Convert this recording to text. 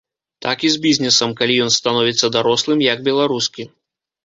Так і з бізнесам, калі ён становіцца дарослым, як беларускі.